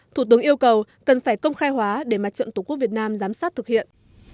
thủ tướng yêu cầu cần phải công khai hóa để mặt trận tổ quốc việt nam giám sát thực hiện